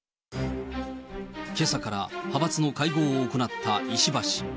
けさから派閥の会合を行った石破氏。